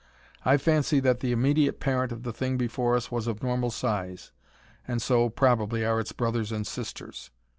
I fancy that the immediate parent of the thing before us was of normal size, and so, probably, are its brothers and sisters.